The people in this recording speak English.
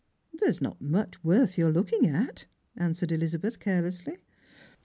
" There's not much worth your looking at," answered Eliza beth carelessly.